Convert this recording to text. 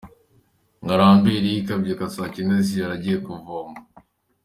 Ngarambe Eric, abyuka saa cyenda z’ijoro agiye kuvoma.